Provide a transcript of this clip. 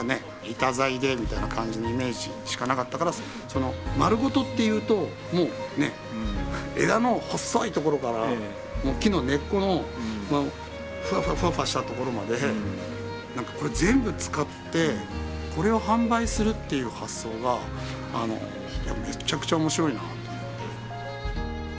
板材でみたいな感じのイメージしかなかったからまるごとっていうともうね枝の細いところから木の根っこのフワフワフワフワしたところまでこれ全部使ってこれを販売するっていう発想がめちゃくちゃ面白いなと思って。